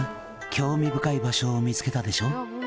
興味深い場所を見つけたでしょ？」